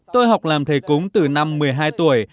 tôi học làm thầy cúng từ năm một mươi hai tuổi